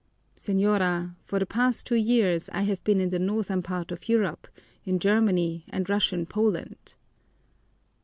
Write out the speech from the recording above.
"Señora, for the past two years I have been in the northern part of Europe, in Germany and Russian Poland."